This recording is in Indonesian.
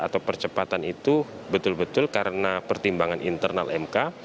atau percepatan itu betul betul karena pertimbangan internal mk